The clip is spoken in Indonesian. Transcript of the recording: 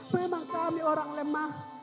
memang kami orang lemah